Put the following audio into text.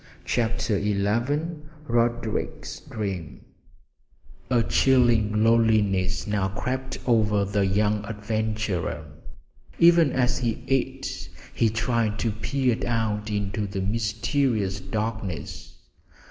CHAPTER XI RODERICK'S DREAM A chilling loneliness now crept over the young adventurer. Even as he ate he tried to peer out into the mysterious darkness.